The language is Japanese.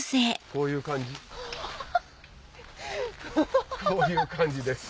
こういう感じです。